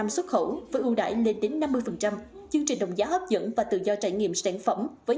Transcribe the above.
xuất khẩu với ưu đãi lên đến năm mươi chương trình đồng giá hấp dẫn và tự do trải nghiệm sản phẩm với